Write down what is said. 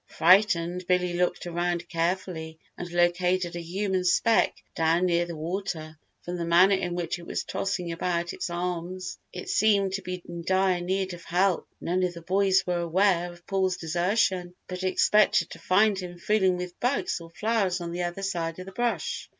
Frightened Billy looked around carefully and located a human speck down near the water. From the manner in which it was tossing about its arms it seemed to be in dire need of help. None of the boys were aware of Paul's desertion but expected to find him fooling with bugs or flowers on the other side of the brush.